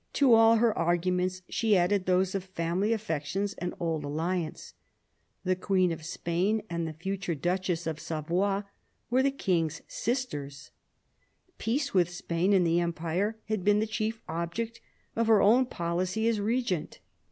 To all her arguments she added those of family aifections and old aUiance : the Queen of Spain and the future Duchess of Savoy were the King's sisters; peace with Spain and the Empire had been the chief object of her own policy as Regent.